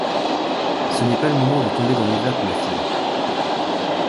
C’est pas le moment de tomber dans les vapes, ma fille.